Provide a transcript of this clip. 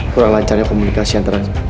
kurang lancarnya komunikasi antara